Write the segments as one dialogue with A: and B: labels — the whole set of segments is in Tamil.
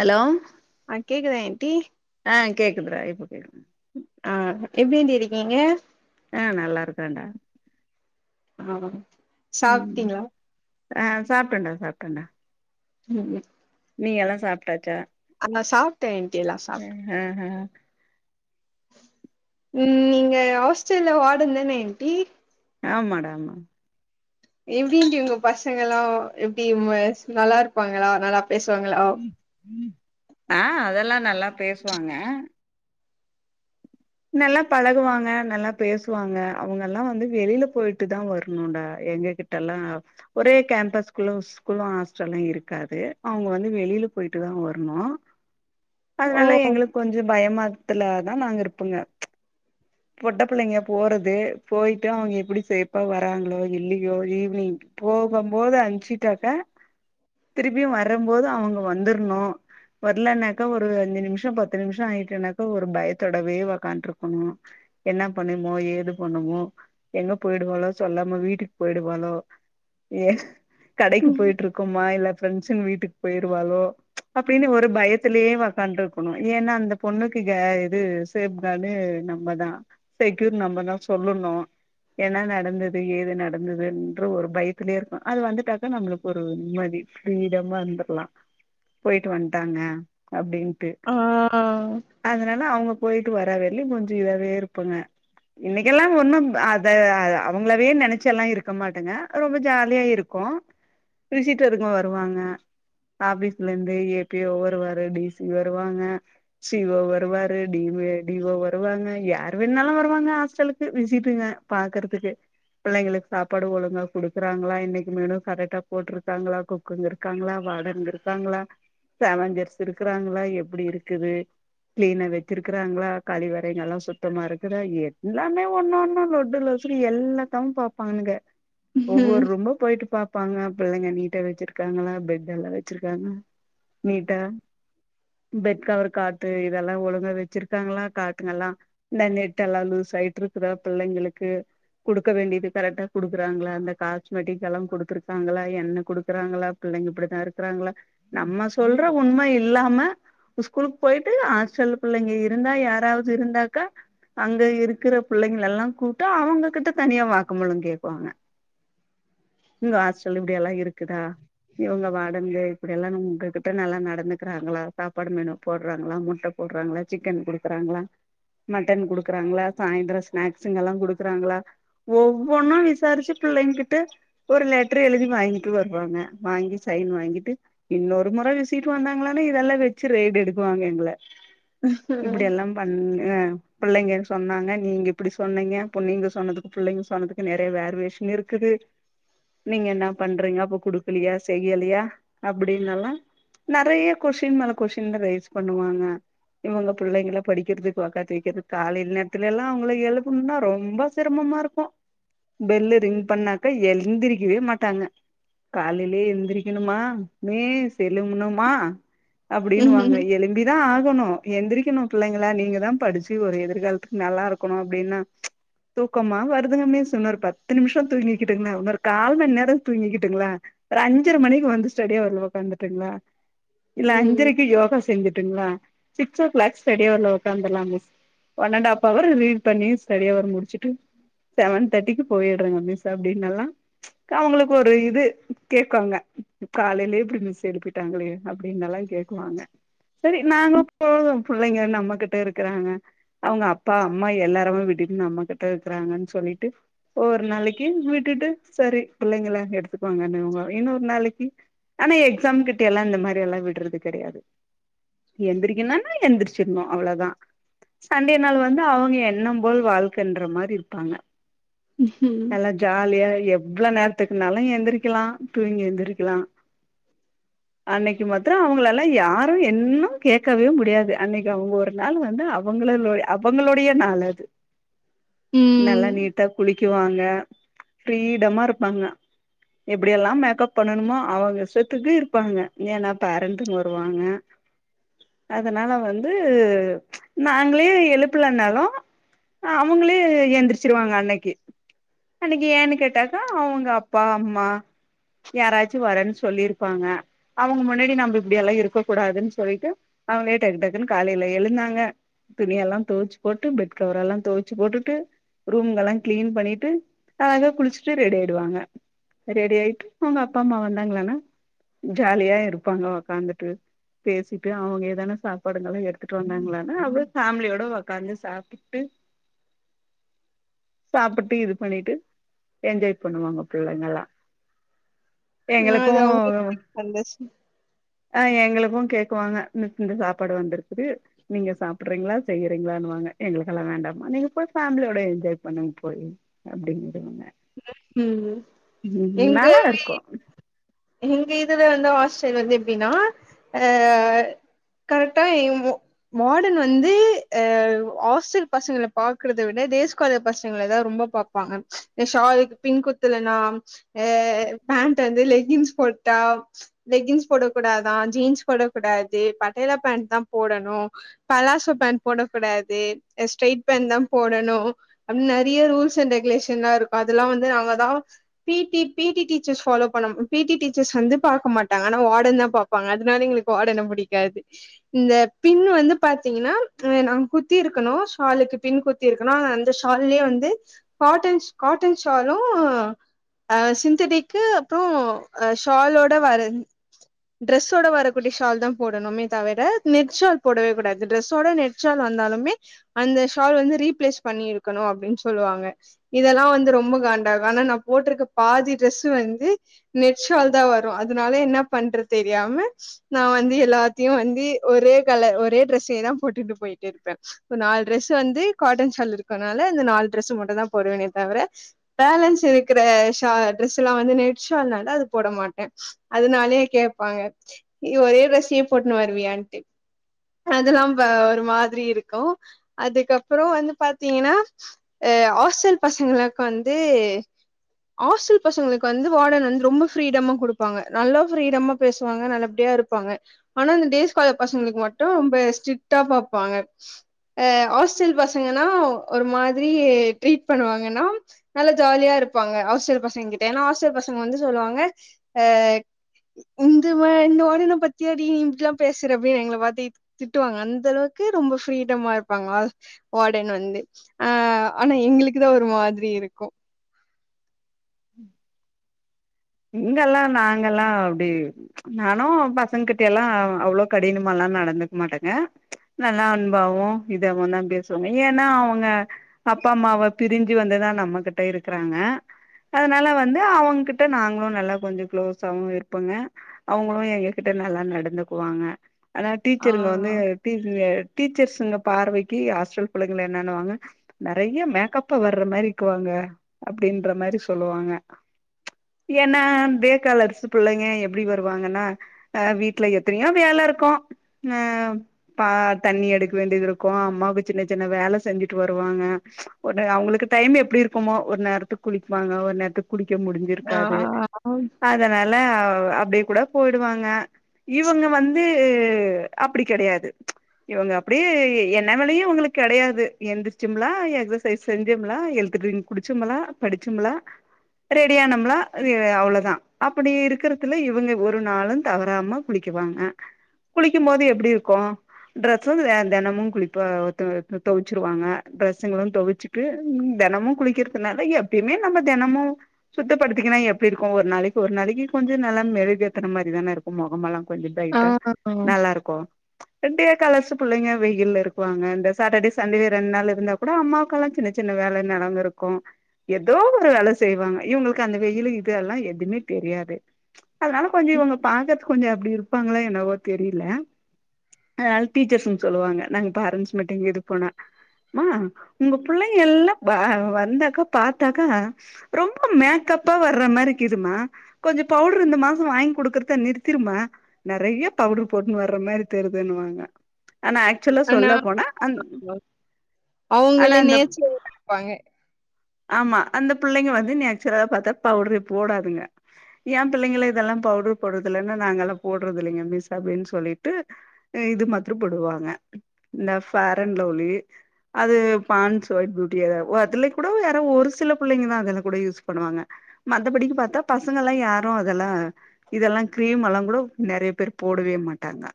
A: ஹலோ
B: ஆஹ் கேக்குதா ஆன்ட்டி
A: ஆஹ் கேக்குதுறா இப்ப கேக்குது
B: ஆஹ் எப்டி ஆன்ட்டி இருக்கீங்க
A: ஆஹ் நல்லா இருக்குறன்டா
B: ஆஹ் சாப்ட்டீங்களா
A: ஆஹ் சாப்ட்டன்டா சாப்ட்டன்டா
B: ம்
A: நீ எல்லாம் சாப்ட்டாச்சா
B: ஆ சாப்ட்ட ஆண்டி எல்லா சாப்ட்
A: ஆ ஆ
B: ம் நீங்க ஹாஸ்டல் வார்டன் தான ஆன்டி
A: ஆமாடா ஆமா
B: எப்டி ஆன்டி உங்க பசங்கல்லா எப்டி ம எஸ் நல்லார்ப்பாங்களா நல்லா பேசுவாங்களா
A: ஆஹ் அதெல்லா நல்லா பேசுவாங்க நல்லா பழகுவாங்க நல்லா பேசுவாங்க அவுங்கெல்லா வந்து வெளில போய்ட்டு தா வர்ணுன்டா எங்க கிட்டல்லா ஒரே கேம்பஸ்குள்ளு ஸ்கூலு ஹாஸ்டலு இருக்காது அவுங்க வந்து வெளில் போய்ட்டு தா வர்ணு
B: உ [inaudible]
A: அதுனால எங்களுக்கு கொஞ்ச பயமாத்துல தா நாங்க இருப்பங்க பொட்ட புள்ளைங்க போறது போய்ட்டு அவுங்க எப்டி சேஃபா வராங்களோ இல்லியோ ஈவினிங் போகம் போது அஞ்சிட்டாக்கா திருப்பியு வரும்போது அவங்க வந்துர்ணு வர்லன்னாக்க ஒரு அஞ்சு நிமிஷ பத்து நிமிஷ ஆயிட்டேனாக்கா ஒரு பயத்த வே ஒக்கான்டு இருக்கணு என்ன பண்ணுமோ ஏது பண்ணுமோ எங்க போயிடுவாலோ சொல்லாம வீட்டுக்கு போயிடுவாலோ ஏ கடைக்கு
B: ம்
A: போயட்டு இருக்கும் மா இல்ல ஃப்ரெண்ட்ஸுங்க வீட்டுக்கு போயிருவாலோ அப்டின்னு ஒரு பயத்திலயே ஒக்காண்டு இருக்கணு ஏன்னா அந்த பொண்ணுக்கு கே இது சேஃப்கார்டு நம்மதா செக்யூர் நம்மதா சொல்லணு என்ன நடந்தது ஏது நடந்ததுன்ற ஒரு பயத்துலயே இருக்கு அது வந்துட்டாக்கா நம்மளுக்கு ஒரு நிம்மதி ஃப்ரீடமா இருந்துக்குலா போயிட்டு வந்டாங்க அப்டின் டு
B: ஆ
A: அதனால அவங்க போயிட்டு வரவரைலியு கொஞ்ச இதாவே இருப்பேங்க இன்னைக்கெல்லா ஒன்னு அத அவங்களாவே நெனச்சு எல்லா இருக்க மாட்டேங்க ரொம்ப ஜாலியா இருக்கு
B: [inaudible]
A: பெசிட்டு இருக்குமு வருவாங்க ஆஃபிஸ்ல இருந்து ஏ பி ஓ வருவாரு டி சி வருவாங்க சி இ ஓ வருவாரு டி வு டி ஓ வருவாங்க யார் வேணாலு வருவாங்க ஹாஸ்டலுக்கு விசிட்டுங்க பாக்குறதுக்கு பிள்ளைங்களுக்கு சாப்பாடு ஒழுங்கா குடுக்குறாங்களா இன்னைக்கு மெணு கரெக்டா போட்ருக்காங்களா குக்குங்க இருக்காங்களா வா வார்டன் இருக்காங்களா சலஞ்சர் இருக்கிறாங்களா எப்டி இருக்குது கிளீனவெ ச்சாருக்குறாங்களா கழி வரைங்கலா சுத்தமா இருக்குதா எல்லாமே ஒன்னு ஒன்னு லொட்டு லொசுக்கு எல்லா தங் பாப்பானுங்க ஒவ்வொரு
B: ம்
A: ரூமா போயிட்டு பா ப்பாங்க பிள்ளைங்க நீட்டா வெச்சிருக்காங்களா பெட் எல்லா வச்சிருக்காங்களா நீட்டா பெட் கவர் காட்டு இதெல்லா ஒழுங்கா வெ ச்சிருக்காங்களா கார்ட்டன் எல்லா இந்த நெட் எல்லா லூஸ் ஆயிட்டு இருக்குதா பிள்ளைங்களுக்கு குடுக்க வேண்டியது கரெக்டா குடுக்குறாங்களா அந்த காஸ்மெட்டிக்கெல்லா கொடுத்துருக்காங்களா என்ன குடுக்குறாங்களா பிள்ளைங்க இப்டித்தா இருக்குறாங்களா நம்ம சொல்ற உண்ம இல்லாம உஸ்கூலுக்கு போயிட்டு ஹாஸ்டல் பிள்ளைங்க இருந்தா யாராவது இருந்தாக்கா அங்க இருக்குற பிள்ளைங்களெல்லா கூப்ட்டு அவங்க கிட்ட தனியா வாக்குமூல கேக்குவாங்க இங்க ஹாஸ்டல்ல இப்படியெல்லா இருக்குதா இவங்க வாடர்ன்கு இப்டி எல்லா நா உங்ககிட்ட நல்லா நடந்துக்குறாங்களா சாப்பாடு மெனு போடுறாங்களா முட்ட போடுறாங்களா சிக்கன் குடுக்குறாங்களா மட்டன் குடுக்குறாங்களா சாய்ந்திர ஸ்நாக்ஸுங்க எல்லா குடுக்குறாங்களா ஒவ்வொன்னு விசாரிச்சு பிள்ளைங்க கிட்ட ஒரு லெட்டர் எழுதி வாங்கிட்டு வருவாங்க வாங்கி ச சைன் வாங்கிட்டு இன்னொரு முற விசிட் வந்தாங்களானா இதெல்லா வெச்சு ரைட் எடுக்குவாங்க எங்கள இப்டி எல்லா பண் அ பிள்ளைங்க சொன்னாங்க நீங்க இப்டி சொன்னீங்க அப்போ நீங்க சொன்னதுக்கு புள்ளைங்க சொன்னதுக்கு நெறைய வேறு வேஷன் இருக்குது து நீங்க என்னப் பண்றீங்க அப்போ குடுக்குலியா செய்யலியா அப்டின்னெல்லா நறைய கொஷின் மேல கொஷின்க ரைஸ் பண்ணுவாங்க இவங்க புள்ளைங்கள படிக்கறதுக்கு உக்காத்து வைக்கிறது காலைல நேரத்துல எல்லா அவங்கள எழுப்பணும்னா ரொம்ப செரமமா இருக்கு பெல்லு ரிங் பண்ணாக்க எந்திரிக்கவே மாட்டாங்க காலைலேயே எந்திரிக்கணுமா மீஸ் எழும்மணுமா அப்டின்னுவாங்க
B: ம்
A: எழும்பிதா ஆ கனு எந்திரிக்கணு பிள்ளைங்களா நீங்க தா படிச்சு ஒரு எதிர்காலத்துக்கு நல்லா இருக்கணு அப்டின்னு தூக்கமா வருதுங்க மிஸ் இன்னொரு பத்து நிமிஷ தூங்கிக்கிட்டுங்களா இன்னொரு கால் மண் நேர தூங்கிக்கிட்டுங்களா ஒரு அஞ்சர மணிக்கு வந்து ஸ்டடியாவர்ல உக்காந்துட்டுங்களா இல்ல
B: ம்
A: அஞ்சரைக்கு யோகா செஞ்சுட்டுங்களா சிக்ஸ் ஓ கிளாக் ஸ்டடியவர்ல உக்காந்துலா மிஸ் ஒன் அண்டாஃப் அவரு ரீட் பண்ணி ஸ்டடி அவர் முடிச்சிட்டு செவன் தேர்ட்டிக்கு போயிரு ராங்க மிஸ் அப்டின்னல்லா அவங்களுக்கு ஒரு இது கேக்குவுங்க காலைலே இப்டி மிஸ் எழுப்பிட்டாங்களே அப்டின்னெல்லா கேக்குவாங்க சரி நானு போது புள்ளைங்க நம்மகிட்ட இருக்குறாங்க அவங்க அப்பா அம்மா எல்லாரவு விட்டுட்டு நம்மகிட்ட இருக்க ங்கன்னு சொல்லிட்டு ஒரு நாளைக்கு விட்டுட்டு சரி பிள்ளைங்கள எடுத்துக்குவாங்கன்னு வ இன்னொரு நாளைக்கு ஆனா எக்ஸாம் கிட்டயெல்லா இந்த மாரியெல்லா விடுறது கெடையாது எந்திரி ன்ன எந்திர்ச்சிருனு அவ்ளோதா சண்டே நாள் வந்து அவங்க எண்ணம் போல் வாழ்க்கன்ற மாரி இருப்பாங்க
B: ம்
A: எல்லா ஜாலியா எப் எவ்ளோ நேரத்துக்குனாலு எந்திரிக்லா தூங்கி எந்திரிக்லா அன்னைக்கு மத்ரு அவங்கள லா யாரு என்னு கேக் க்கவே முடியாது அன்னைக்கு அவங்க ஒரு நாள் வந்து அவங்கள்ள அவங்களுடைய நாள் அது நல்லா
B: ம்
A: நீட்டா குளிக்குவாங்க ஃபிரீடமாருப்பாங்க எப்படி எல்லா மேக்கப் பண்ணணுமோ அவங்கஸ்டத்துக்கு இருப்பாங்க ஏன்னா பேரண்ட்டுங்க வருவாங்க அதனால வந்து நாங்களே எழுப்புலனாலு அவுங்களே எந்திரிச்சிருவாங்க அன்னைக்கு அன்னைக்கு ஏன்னு கேட்டாக்கா அவங்க அப்பா அம்மா யாராச்சு வரன்னு சொல்லிருப்பாங்க அவங்க முன்னாடி நம்ப இப்படியெல்லா இருக்க கூடாதுன்னு சொல்லிட்டு அவங்ளே டக்டக்குன்னு காலைல எழுந்தாங்க துணியெல்லா தொவச்சு போட்டு பெட் கவரல்லா தொவச்சு போட்டுட்டு ரூமல்லா கிளீன் பண்ணிட்டு அதக் குளிச்சுட்டு ரெடி ஆயிடுவாங்க ரெடி ஆயிட்டு அவங்க அப்பா அம்மா வந்தாங்களானா ஜாலியா இருப்பாங்க ஒக்காந்துட்டு பேசிட்டு அவங்க ன சாப்பாடுங்களா எடுத்துட்டு வந்தாங்களானா அத ஃபேமிலியோட ஒக்காந்து சாப்டுட்டு சாப்புட்டு இது பண்ணிட்டு என்ஜாய் பண்ணுவாங்க பிள்ளைங்கல்லா எங்களுக்கு
B: அது அவங்களுக்கு சந்தோஷம்
A: ஆ எங்களுக்கு கேக்குவாங்க இந்த இந்த சாப்பாடு வந்திருக்கு நீங்க சாப்பிடுறீங்களா செய்யறீங்களானுவாங்க எங்களுக்கல்லா வேண்டாபா நீங்க போ ஃபேமிலியோட என்ஜாய் பண்ணுங்க போய் அப்படிங்கிறவங்க
B: ம் எங்க
A: நல்லா
B: வீ
A: இருக்கு
B: எங்க இதுல வந்து ஹாஸ்டல் வந்து எப்டின்னா அ கரெக்டா இ மு மாடன் வந்து அ ஹாஸ்டல் பசங்கள பாக்கறத விட தேஸ் காலர் பசங்கள தா ரொம்ப பாப்பாங்க ஷாலுக்கு பின் குத்துலனா ஆ பேண்ட் வந்து லெங் கின்ஸ் போட்டா லெக்கின்ஸ் போடக் கூடாதா ஜீன்ஸ் போடக் கூடாது பட்டேலா பேண்ட் தா போ போடணு பலாசோ பேண்ட் போடக்கூடாது ஸ்ட்ரயிட் பேண்ட் தா போடணு அப்ன் றைய ரூல்ஸ் அண்ட் ரெகுலேஷன்லா இருக்கு அதெல்லா வந்து நாங்க தா பீட்டி பீட்டி டீச்சர்ஸ் பாலோ பண்ண பீட்டி டீச்சர்ஸ் வந்து பாக்க மாட்டாங்க ஆனா வாடன் தா பாப்பாங்க அதனாலே எங்களுக்கு வாடன பிடிக்காது இந்த பின் வந்து பாத்தீங்கனா நாங்க குத்தி இருக்கணு ஷாலுக்கு பின் குத்தி இருக்கணு அந்த ஷால்லயே வந் து காட்டன் காட்டன் ஷாலு அ சிந்தடிக்கு அப்றோ அ ஷாலோட வரந் ட்ரெஸ்ஸோட வரக்கூடிய ஷால் தா போடணுமே தவிர நெட்சால் போடவே கூடாது டிரெஸ்ஸோட நெட்சால் வந்தாலுமே அந்த ஷால் வந்து ரீப்ளேஸ் பண்ணி இருக்கணு அப்டின் சொல்லுவாங்க இதெல்லா வந்து ரொம்ப கா காண்டாகு ஆனா நா போட்ருக்க பாதி டிரெஸ்ஸு வந்து நெட்ஷால் தா வரு அதனால என்ன பண்ற தெரியாம நா வந்து எல்லாத்தையு வந்து ஒரு ஒரே கலர் ஒரே டிரெஸ்ஸே தா போட்டுட்டு போயிட்டே இருப்ப இப்ப நாலு ட்ரெஸ் வந்து காட்டன் சால் இருக்கனால அந்த நாலு ட்ரெஸ் மட்டுந்தா போடுவேனே தவிர பலன்ஸ் இருக்குற ஷா ட்ரெஸ் எல்லா வந்து நே ஷால்னால அது போட மாட்ட அதனாலயே கேப்பாங்க நீ ஒரே ட்ரசெயே போட்டுன் வருவியான் டு அதெல்லாம் ப ஒரு மாதிரி இருக்கு அதுக்கப்புறோ வந்து பாத்தீங்கனா அ ஆஸ்டல் பசங்களுக்கு வந்து ஆஸ்டல் பசங்களுக்கு வந்து வாடன் வந்து ரொம்ப ப்ரீடமா குடுப்பாங்க நல்லா ப்ரீடமா பேசுவாங்க நல்லபடியா இருப்பாங்க ஆனா அந்த டேஸ் காலர் பசங்களுக்கு மட்டு பே ஸ்ட்ரிட்டா பாப்பாங்க ஆ ஹாஸ்டல் பசங்கன்னா ஒரு மாதிரி ட்ரீட் பண்ணுவாங்கன்னா நல்ல ஜாலியா இரு இருப்பாங்க ஹாஸ்டல் பசங்க கிட்ட ஏன்னா ஹாஸ்டல் பசங்க வந்து சொல்லுவாங்க ஆ இந்த வா இந்த வாடன பாத்தியாடி நீ இப்டிலா பேசுறபயே எங்கள பாத்தி திட்டுவாங்க அந்த அளவுக் கு ரொம்ப ப்ரீடமா இருப்பாங்களா வாடன் வந்து ஆ ஆனா எங்களுக்கு தா ஒரு மாதிரி இருக்கு
A: ம் இங்கல்லா நாங்கல்லா அப்டி நானு பசங்க கிட்டியல்லா அவ்ளோ கடினமால்லா நடந்துக்க மாட்டேங்க நல்லா அன்பாவு இதாவு தா பேசுவேங்க ஏன்னா அவுங்க அப்பா அம்மாவ பிரிஞ்சி வந்துதா நம்மகிட்ட இருக்குறாங்க அதனால வந்து அவங்ககிட் ட்டு நாங்களு நல்லா கொஞ்சோ குளோஸாவு இருப்போங்க அவுங்களு எங்ககிட்ட நல்லா நடந்துக்குவாங்க ஆனா
B: ஆ
A: டீச்சருங்க வந்து டீசி வேர் டீச்சர்ஸ்சுங்க பார்வைக்கி ஹாஸ்டல் பிள்ளைங்கல என்னன்னுவாங்க நெறைய மேக்கப்ப வர்ற மாரி க்குவாங்க ஆ அப்டின்ற மாரி சொல்லுவாங்க ஏன்னா பேக்காலர்ஸ் பிள்ளைங்க எப்டி வருவாங்கன்னா ஆ வீட்ல எத்தனையோ வேல இருக்கு ஆ பா தண்ணி எடுக்க வேண்டிது இருக்கு அம்மாவுக்கு சின்ன சின்ன வேல செஞ்சிட்டு வருவாங்க ஆ ஒன்னு அவுங்களுக்கு டயம் எப்டி இருக்குமோ ஒரு நேரத்துக்கு குளிக்குவாங்க ஒரு நேரத்துக்கு குளிக்க முடிஞ்சி
B: ஆ
A: இருக்காது அதனால அவ அப்டியே கூட போயிடுவாங்க இவங்க வந்து அப்டி கெடையாது இவங்க அப்டியே என்ன வேலையு இவுங்களுக்கு கெடையாது எந்திரிச்சும்லா எக்ஸசைஸ் செஞ்சேம்லா எல் த் ட்ரிங் குடிச்சமலா படிச்சமலா ரெடி ஆனம்லா அது அவ்ளதா அப்டி இருக்கறதுல இவங்க ஒரு நாளு தவறாம குளிக்குவாங்க குளிக்கும் போது எப்டி இருக்கு ட்ரெஸ்ஸு வந்து தெ தெனமு குளிப்பா த தொவச்சிருவாங்க ட்ரெஸ்ஸுங்களு தொவச்சிட்டு தெனமு குளிக்கிறதுனால எப்பயுமே நம்ம தெனமு சுத்தப்படுத் திக்னா எப்டி இருக்கு ஒரு நாளைக்கி ஒரு நாளைக்கி கொஞ்சோ நல்லா மெழுகேத்துன மாரி தான இருக்கு மொகமெலா கொஞ்சோ
B: ஆ
A: ப்ரைட்டா நல்லா இருக்கு ரெண்டு கலர்ஸ்சு புள்ளைங்க வெயில்ல இருக்குவாங்க இந்த சாட்டர்டே சண்டே ரெண்டு நாள் இருந்தா கூட அம்மாவுக்கெல்லா சின்ன சின்ன வேலன்னா நாங்க இருக்கோ ஏதோ ஒரு வேல செய்வாங்க இவங்களுக் கு அந்த வெயிலு இது எல்லா எதுமே தெரியாது அதனால கொஞ்சோ இவங்க பாக்கறதுக்கு கொஞ்சோ அப்டி இருப்பாங்களா என்ன வோ தெரில அதனால டீச்சர்ஸ்சுங்க சொல்லுவாங்க நாங்க பேரண்ட்ஸ் மீட்டிங் இது போனா மா உங்க புள்ளைங்க எல்லா பா வந்தாக்கா பாத்தாக்கா ரொம்ப மேக் கப்பா வர்ற மாரிக்குதுமா கொஞ்சோ பவுடர் இந்த மாசோ வாங்கி குடுக்கறத நிறுத்திருமா நெறையா பவ்ட்ரு போட்டுன்னு வர்ற மாரி தெருதுன்னுவாங்க ஆனா ஆக்சுவலா சொல்ல போனா அந் ஆனா
B: அவுங்களே
A: அந்த
B: நேச்சுரலா இருப்பாங்க
A: ஆமா அந்த பிள்ளைங்க வந்து நேச் சுரலா பாத்தா பவ்ரே போடாதுங்க ஏ பிள்ளைங்கள இதெல்லா பவுடரு போடுறதுலன்னா நாங்க எல்லா போடுறது இல்லைங்க மிஸ் அப்டின்னு சொல்லீட்டு இது மாத்துரு போடுவாங்க இந்த ஃபேரன் லவ்லி அது பான்ஸ் ஒய்ட் பியூட்டி அதுலயே கூட வேற ஒரு சில பிள்ளைங்கதா அதுல கூட யூஸ் பண்ணுவாங்க மத்தபடிக்கு பாத்தா பசங்க எல்லா யாரு அதெல்லா இதெல்லா கிரீம் எல்லா கூட நெறயா பேர் போடவே மாட்டாங்க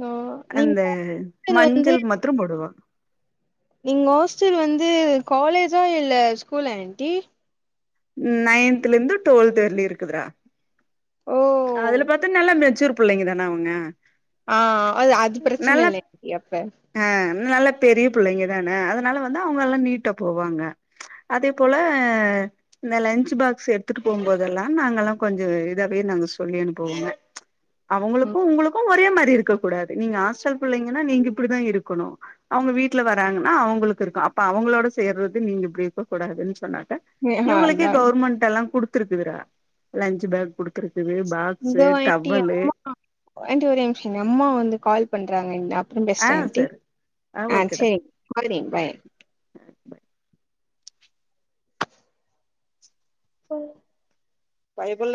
B: நோ நீங்க
A: அந்த
B: ஹாஸ்டல் வந்து
A: மஞ்சள் மத்தரோ போடுவா
B: நீங்க ஹாஸ்டல் வந்து காலேஜா இல்ல ஸ்கூலா ஆன்ட்டி
A: நயன்துல இருந்து டுவல்து வரேலு இருக்குதுறா
B: ஓ
A: அதுல பாத்தா நல்லா மெச்சூர் பிள்ளைங்க தான அவங்க
B: ஆ அது அது பிரச்சன இல்ல ஆன்ட்டி அப்ப
A: ஆ நல்லா பெரிய பிள்ளைங்க தான அதனால வந்து அவங்க எல்லா நீட்டா போவாங்க அதே போல இந்த லஞ்ச்சுபாக்ஸ் எடுத்துட்டு போம்போதெல்லா நாங்க எல்லா கொஞ்சோ இதா வேர்த்து நாங்க சொல்லி அனுப்புவோங்க அவுங்களுக்கு
B: ம்,
A: உங்குளுக்கு ஒரே மாரி இருக்க கூடாது நீங்க ஹாஸ்டல் பிள்ளைங்கனா நீங்க இப்பிடிதா இருக்குணு அவுங்க வீட்ல வராங்கனா அவுங்களுக்கு இருக்கு அப்ப அவுங்களோட சேர்றது நீங்க இப்டி இருக்க கூடா துன் சொன்னாக்கா
B: ஆ
A: இவுங்குளுக்கே
B: அதா
A: கவுர்மண்ட் எல்லா குடுத்துருக்குதுடா லஞ்ச் பேக் குடு
B: இந்த வாய்ட்டியா ஏன்ட்டி ஒரே நிம்ஷோ எங் அம்மா வந்து கால் பண்றாங்க இந்த ஏ ம்
A: ஆ
B: பெஸ்டு ஏன்ட்டி
A: சரி
B: ஆ சேரி [inaudible] பாய் ஏ
A: பயபுள்ள